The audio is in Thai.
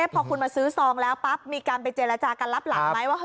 พอคุณมาซื้อซองแล้วปั๊บมีการไปเจรจากันรับหลังไหมว่า